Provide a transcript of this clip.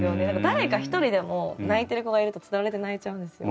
誰か一人でも泣いてる子がいるとつられて泣いちゃうんですよ。